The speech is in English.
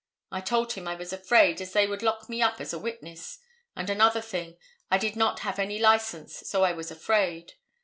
I told him I was afraid, as they would lock me up as a witness, and another thing, I did not have any license, so I was afraid.